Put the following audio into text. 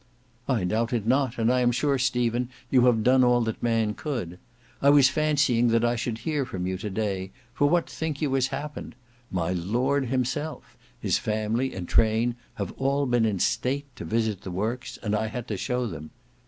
"I doubt it not; and I am sure Stephen, you have done all that man could. I was fancying that I should hear from you to day; for what think you has happened? My Lord himself, his family and train, have all been in state to visit the works, and I had to show them.